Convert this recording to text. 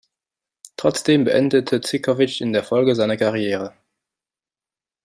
Trotzdem beendete Živković in der Folge seine Karriere.